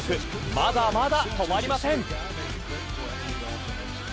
まだまだ止まりません。